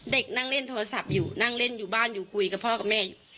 เด็กนั่งเล่นโทรศัพท์อยู่นั่งเล่นอยู่บ้านอยู่คุยกับพ่อกับแม่อยู่